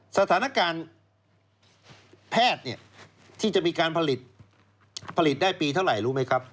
สถานการณ์แพทย์ที่จะมีการผลิตได้ปีเท่าไหร่รู้ไหมครับ